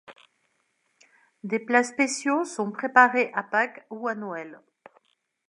Des plats spéciaux sont préparés à Pâques ou à Noël.